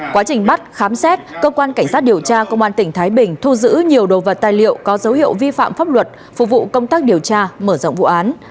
quá trình bắt khám xét cơ quan cảnh sát điều tra công an tỉnh thái bình thu giữ nhiều đồ vật tài liệu có dấu hiệu vi phạm pháp luật phục vụ công tác điều tra mở rộng vụ án